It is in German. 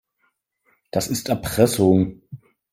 Das ist Erpressung.